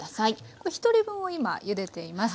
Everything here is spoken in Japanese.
これ１人分を今ゆでています。